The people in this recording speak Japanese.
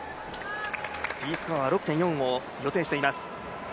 Ｄスコアは６．４を予定しています。